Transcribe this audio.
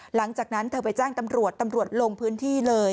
หลังจากนั้นเธอไปแจ้งตำรวจตำรวจลงพื้นที่เลย